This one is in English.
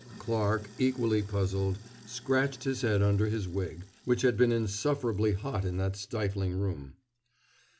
Clarke, equally puzzled, scratched his head under his wig, which had been insufferably hot in that stifling room.